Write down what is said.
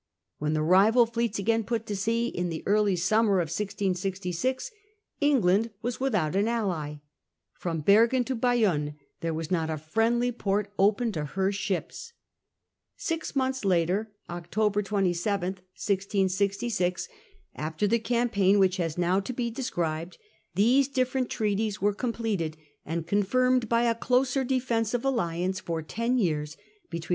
When the rival fleets again put to sea, in the early summer of 1666, England was without an ally. From Bergen to Bayonne there was not a friendly port open to her ships. Six months later (October 27, 1666), after the cam paign which has now to be described, these different Quadruple treaties were completed and confirmed by a AUianceof closer defensive alliance for ten years between Octobe?